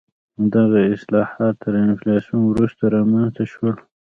دغه اصلاحات تر انفلاسیون وروسته رامنځته شول.